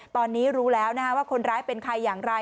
ตอนนี้รู้แล้วว่าคนร้ายเป็นใครอย่างไร